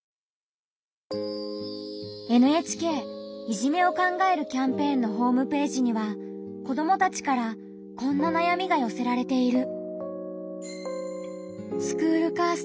ＮＨＫ「いじめを考えるキャンペーン」のホームページには子どもたちからこんななやみがよせられている。